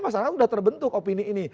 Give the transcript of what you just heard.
masyarakat sudah terbentuk opini ini